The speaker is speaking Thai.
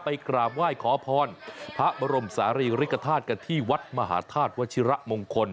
กราบไหว้ขอพรพระบรมศาลีริกฐาตุกันที่วัดมหาธาตุวชิระมงคล